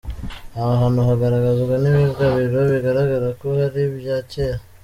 Aha hantu hagaragazwa n’ibigabiro bigaragara ko ari ibya kera.